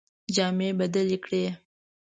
جامې بدلي کړې.